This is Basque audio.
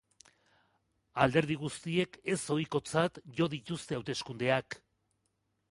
Alderdi guztiek ezohizkotzat jo dituzte hauteskundeak.